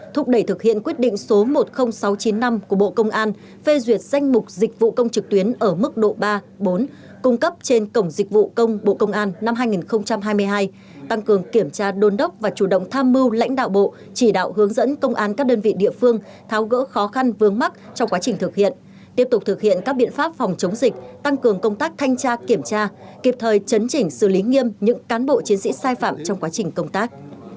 thúc đẩy thực hiện quyết định số một mươi nghìn sáu trăm chín mươi năm của bộ công an phê duyệt danh mục dịch vụ công trực tuyến ở mức độ ba bốn cung cấp trên cổng dịch vụ công bộ công an năm hai nghìn hai mươi hai tăng cường kiểm tra đôn đốc và chủ động tham mưu lãnh đạo bộ chỉ đạo hướng dẫn công an các đơn vị địa phương tháo gỡ khó khăn vướng mắt trong quá trình thực hiện tiếp tục thực hiện các biện pháp phòng chống dịch tăng cường công tác thanh tra kiểm tra kịp thời chấn chỉnh xử lý nghiêm những cán bộ chiến sĩ sai phạm trong quá trình công tác